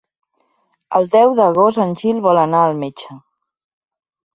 El deu d'agost en Gil vol anar al metge.